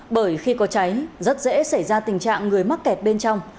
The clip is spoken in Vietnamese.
bởi khi có cháy rất dễ xảy ra tình trạng người mắc kẹt bên trong